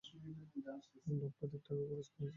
এবং লক্ষাধিক টাকা খরচ হয়েছে।